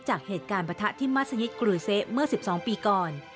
จากเหตุการณ์ปะทะที่มัศยิตกรูเซะเมื่อ๑๒ปีก่อน